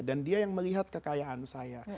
dia yang melihat kekayaan saya